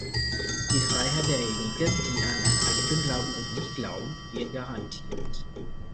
Die Freiheit derjenigen, die an eine Religion glauben oder nicht glauben, wird garantiert.